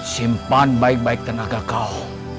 simpan baik baik tenaga kau